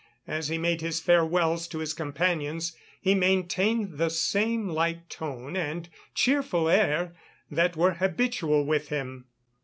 As he made his farewells to his companions, he maintained the same light tone and cheerful air that were habitual with him.